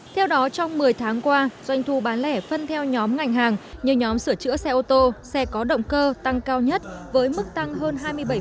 theo đó trong một mươi tháng qua doanh thu bán lẻ phân theo nhóm ngành hàng như nhóm sửa chữa xe ô tô xe có động cơ tăng cao nhất với mức tăng hơn hai mươi bảy